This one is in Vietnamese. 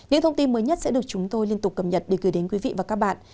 những thông tin mới nhất sẽ được chúng tôi liên tục cập nhật để gửi đến quý vị và các bạn